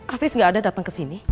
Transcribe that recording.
afif gak ada datang kesini